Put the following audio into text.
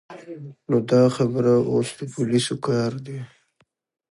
نو دا خبره اوس د پولیسو کار دی.